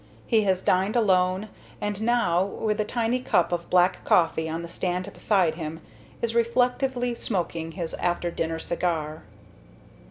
He has dined alone, and now, with a tiny cup of black coffee on the stand beside him, is reflectively smoking his after dinner cigar.